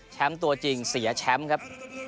ตัวจริงเสียแชมป์ครับ